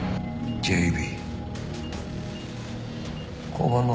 ＪＢ。